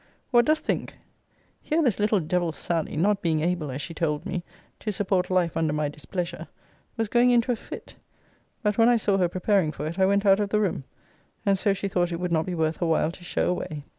What dost think! Here this little devil Sally, not being able, as she told me, to support life under my displeasure, was going into a fit: but when I saw her preparing for it, I went out of the room; and so she thought it would not be worth her while to show away.